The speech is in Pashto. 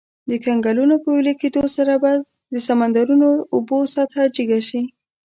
د کنګلونو په ویلي کیدو سره به د سمندرونو د اوبو سطحه جګه شي.